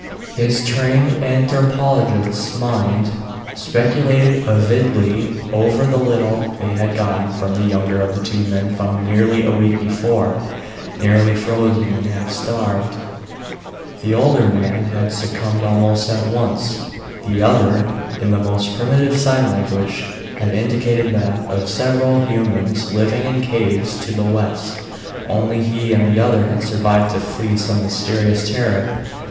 His trained anthropologist's mind speculated avidly over the little they had gotten from the younger of the two men found nearly a week before, nearly frozen and half starved. The older man had succumbed almost at once; the other, in the most primitive sign language, had indicated that, of several humans living in caves to the west, only he and the other had survived to flee some mysterious terror.